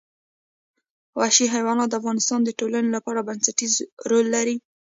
وحشي حیوانات د افغانستان د ټولنې لپاره بنسټيز رول لري.